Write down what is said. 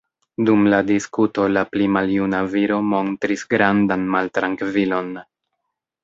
Dum la diskuto la pli maljuna viro montris grandan maltrankvilon.